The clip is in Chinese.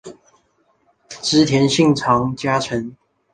织田信长家臣。